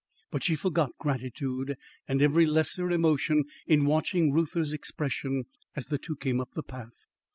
But she forgot gratitude and every lesser emotion in watching Reuther's expression as the two came up the path.